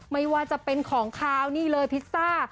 ไม่ว่าจะเป็นของขาวนี่เลยพิซซ่า